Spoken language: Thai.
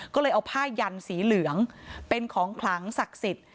ก็เลยเอาผ้ายันสีเหลืองเป็นของขลังศักดิ์สิทธิ์